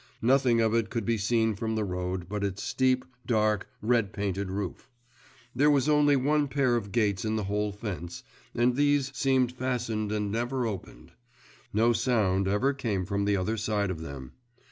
Nothing of it could be seen from the road but its steep, dark, red painted roof. There was only one pair of gates in the whole fence; and these seemed fastened and never opened. No sound came from the other side of them.